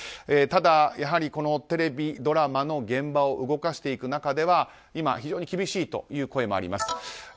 ただ、テレビドラマの現場を動かしていく中では今、非常に厳しいという声もあります。